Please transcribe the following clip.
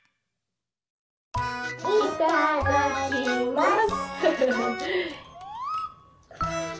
いただきます。